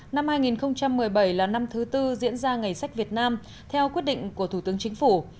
năm hai nghìn một mươi bảy là năm thứ tư diễn ra ngày sách việt nam theo quyết định của thủ tướng chính phủ